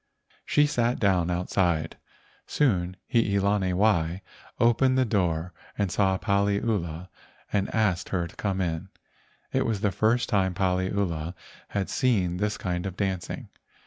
She sat down outside. Soon Hii lani wai opened the door and saw Paliula and asked her to come in. It was the first time Paliula had seen this kind of dancing.